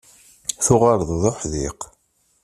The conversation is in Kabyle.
Tuɣaleḍ d uḥdiq.